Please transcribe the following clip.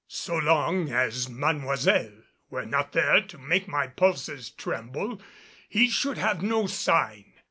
So long as Mademoiselle were not there to make my pulses tremble, he should have no sign.